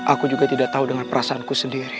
aku juga tidak tahu dengan perasaanku sendiri